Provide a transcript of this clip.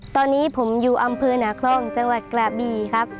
ตอนนี้ผมอยู่อำเภอหนาคล่องจังหวัดกระบีครับ